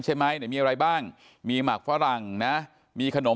ใช่ไหมไหนมีอะไรบ้างมีหมักฝรั่งนะมีขนม